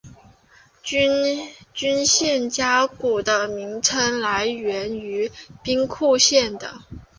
军舰加古的名称来源于兵库县的。